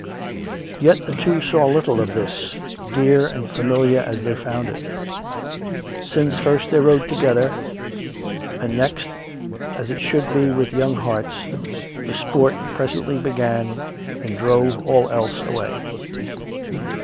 Yet the two saw little of this, dear and familiar as they COME RACK! COME ROPE! 59 found it; since, first they rode together, and next, as it should be with young hearts, the sport presently began and drove all else away.